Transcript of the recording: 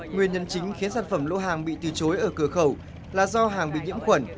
nguyên nhân chính khiến sản phẩm lô hàng bị từ chối ở cửa khẩu là do hàng bị nhiễm khuẩn